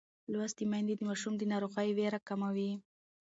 لوستې میندې د ماشوم د ناروغۍ وېره کموي.